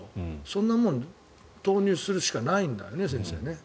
そんなものを投入するしかないんだよね、先生。